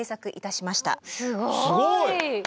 すごい！